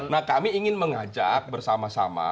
nah kami ingin mengajak bersama sama